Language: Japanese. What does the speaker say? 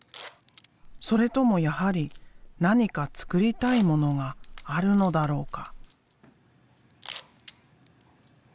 それともやはり何か作りたいものがあるのだろうか？